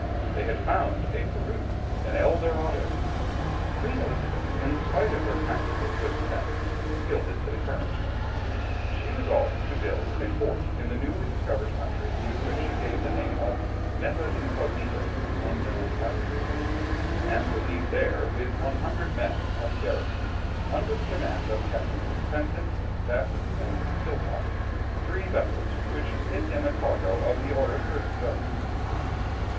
They had found a Peru, an Eldorado. Queen Elizabeth, in spite of her practical good sense, yielded to the current. She resolved to build a fort in the newly discovered country, to which she gave the name of Meta incognita, (unknown boundary) and to leave there, with 100 men as garrison, under the command of Captains Fenton, Best, and Philpot, three vessels which should take in a cargo of the auriferous stones.